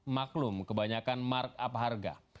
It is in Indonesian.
maklum kebanyakan mark up harga